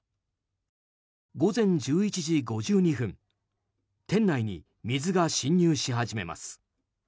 午前１１時５２分店内に水が浸入し始めます。